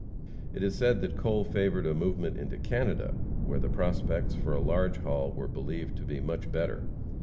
It is said that Cole favored a movement into Canada, where the prospects for a large haul were believed to be very much better.